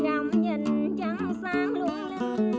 góc nhìn trắng xanh lum linh